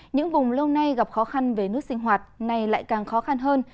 những vùng lâu nay gặp khó khăn về nước sinh hoạt nay lại càng khó khăn hơn